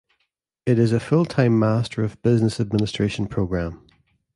It is a full-time Master of Business Administration programme.